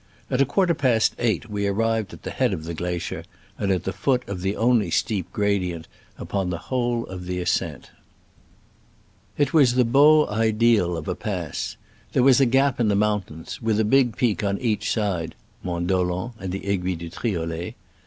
At a quarter past eight we arrived at the head of the glacier, and at the foot of the only steep gradient upon the whole of the ascent. It was the beau ideal of a pass. There was a gap in the mountains, with a big peak on each side (Mont Dolent and the Aiguille de Triolet).